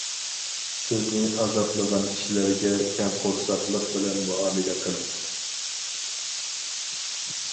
سىزنى ئازابلىغان كىشىلەرگە كەڭ قورساقلىق بىلەن مۇئامىلە قىلىڭ.